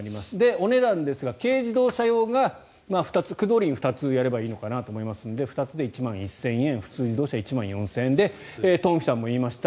お値段ですが軽自動車２つやればいいので駆動輪２つで１万１０００円普通自動車１万１０００円でトンフィさんも言いました